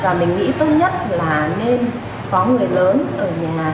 và mình nghĩ tốt nhất là nên có người lớn ở nhà